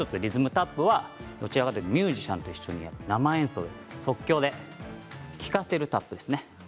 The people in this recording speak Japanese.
タップはどちらかというとミュージシャンと一緒に生演奏で即興で聞かせるタップですね。